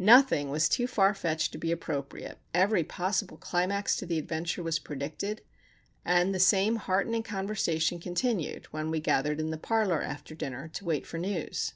Nothing was too far fetched to be appropriate, every possible climax to the adventure was predicted, and the same heartening conversation continued when we gathered in the parlour after dinner to wait for news.